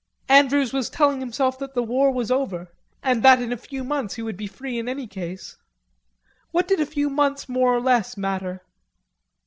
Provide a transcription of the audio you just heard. Andrews was telling himself that the war was over, and that in a few months he would be free in any case. What did a few months more or less matter?